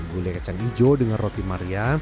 bule kacang hijau dengan roti maria